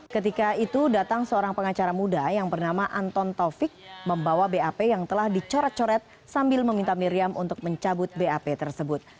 ketika itu datang seorang pengacara muda yang bernama anton taufik membawa bap yang telah dicoret coret sambil meminta miriam untuk mencabut bap tersebut